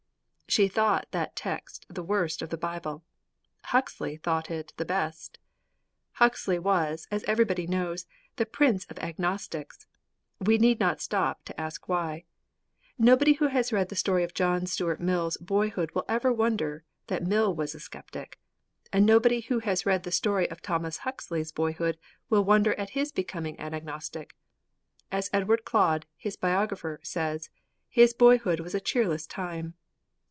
_' II She thought that text the worst in the Bible. Huxley thought it the best. Huxley was, as everybody knows, the Prince of Agnostics. We need not stop to ask why. Nobody who has read the story of John Stuart Mill's boyhood will wonder that Mill was a skeptic. And nobody who has read the story of Thomas Huxley's boyhood will wonder at his becoming an agnostic. As Edward Clodd, his biographer, says, 'his boyhood was a cheerless time.